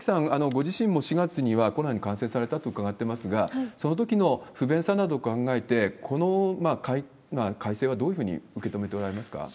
ご自身も４月にはコロナに感染されたと伺ってますが、そのときの不便さなどを考えて、この改正はどういうふうに受け止めておられますか？